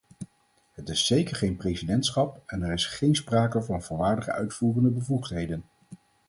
Het is zeker geen presidentschap en er is geen sprake van volwaardige uitvoerende bevoegdheden.